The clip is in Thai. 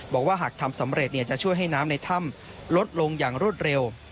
บอกว่าหากทำสำเร็จจะช่วยให้น้ำในถ้ำลดลงอย่างรวดเร็ว